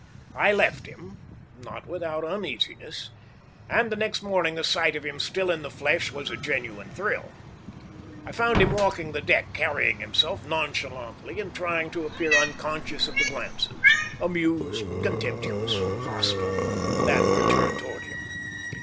I left him, not without uneasiness, and the next morning the sight of him still in the flesh was a genuine thrill. I found him walking the deck carrying himself nonchalantly and trying to appear unconscious of the glances amused, contemptuous, hostile that were turned toward him.